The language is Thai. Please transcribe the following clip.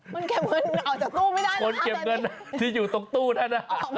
คุณเก็บเงินเอาจากตู้ไม่ได้นะคนเก็บเงินที่อยู่ตรงตู้เนี่ยนะ